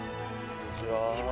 こんにちは。